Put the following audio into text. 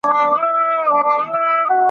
مدرسې به وي تړلي ورلوېدلي وي قلفونه ..